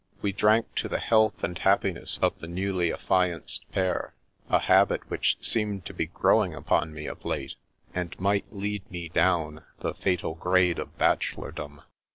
We drank to the health and happiness of the newly affianced pair, a habit which seemed to be growing upon me of late, and might lead me down the fatal grade of bachelordom.